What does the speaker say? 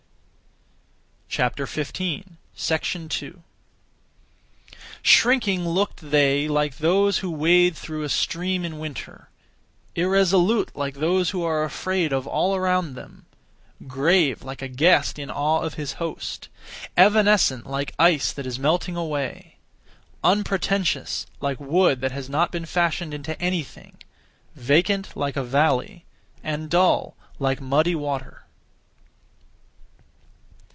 2. Shrinking looked they like those who wade through a stream in winter; irresolute like those who are afraid of all around them; grave like a guest (in awe of his host); evanescent like ice that is melting away; unpretentious like wood that has not been fashioned into anything; vacant like a valley, and dull like muddy water.